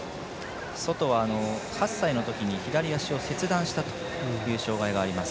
ソトは８歳のときに左足を切断したという障がいがあります。